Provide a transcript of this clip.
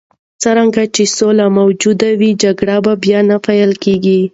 څرنګه چې سوله موجوده وي، جګړې به بیا نه پیل کېږي.